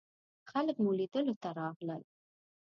خلک مو لیدلو ته راغلل.